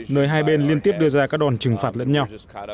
nơi hai bên liên tiếp đưa ra các đòn trừng phạt lẫn nhau